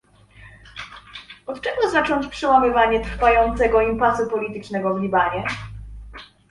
Od czego zacząć przełamywanie trwającego impasu politycznego w Libanie?